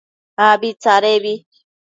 Abi tsadebi